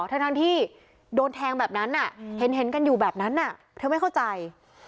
ทั้งที่โดนแทงแบบนั้นเห็นกันอยู่แบบนั้นเธอไม่เข้าใจ